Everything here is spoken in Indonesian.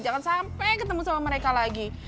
jangan sampai ketemu sama mereka lagi